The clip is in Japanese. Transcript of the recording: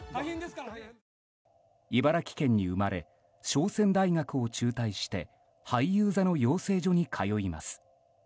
茨城県に生まれ商船大学を中退して俳優座の養成所に通います。